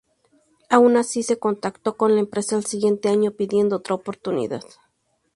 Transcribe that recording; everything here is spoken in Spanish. Aun así se contacto con la empresa el siguiente año, pidiendo otra oportunidad.